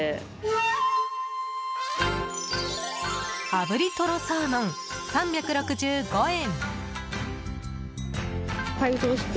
炙りトロサーモン、３６５円。